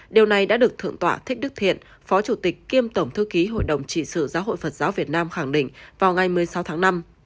điều này đã được thượng tọa thích đức thiện phó chủ tịch kiêm tổng thư ký hội đồng trị sự giáo hội phật giáo việt nam khẳng định vào ngày một mươi sáu tháng năm